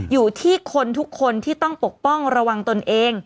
อยู่ที่คนทุกคนที่ต้องปกป้องระวังตนเอง